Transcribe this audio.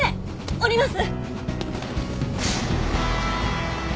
降ります！